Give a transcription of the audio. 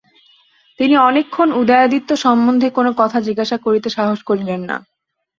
কিন্তু অনেকক্ষণ উদয়াদিত্য সম্বন্ধে কোন কথা জিজ্ঞাসা করিতে সাহস করিলেন না।